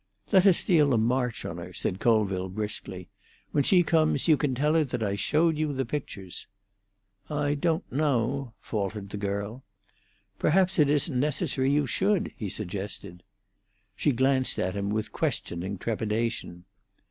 "Let us steal a march on her," said Colville briskly. "When she comes you can tell her that I showed you the pictures." "I don't know," faltered the girl. "Perhaps it isn't necessary you should," he suggested. She glanced at him with questioning trepidation.